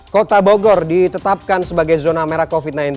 kota bogor ditetapkan sebagai zona merah covid sembilan belas